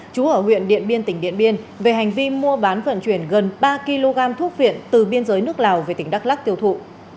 chú ở huyện điện biên tỉnh điện biên về hành vi mua bán vận chuyển gần ba kg thuốc viện từ biên giới nước lào về tỉnh đắk lắc tiêu thụ